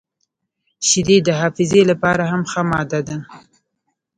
• شیدې د حافظې لپاره هم ښه ماده ده.